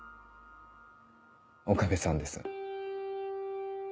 岡部さんです。